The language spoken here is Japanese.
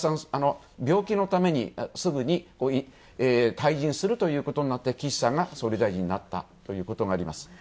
ただし、石橋さん、病気のためにすぐに退陣するということになって、岸さんが総理大臣になったということがあります。